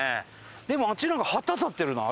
でもあっちなんか旗立ってるな。